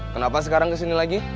kenapa sekarang kesini lagi